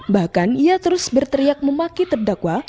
bahkan ia terus berteriak memaki terdakwa